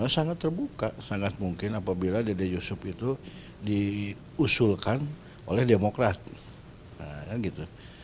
sangat terbuka sangat mungkin apabila dede yusuf itu diusulkan oleh demokrat